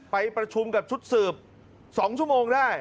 ไปประชุมกับชุดสืบ๒ชั่วโมงได้